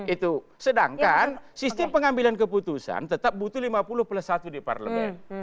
itu sedangkan sistem pengambilan keputusan tetap butuh lima puluh plus satu di parlemen